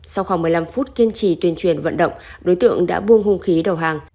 sau khoảng một mươi năm phút kiên trì tuyên truyền vận động đối tượng đã buông hung khí đầu hàng